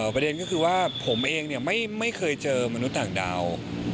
ประเด็นก็คือว่าผมเองไม่เคยเจอมนุษย์ต่างดาว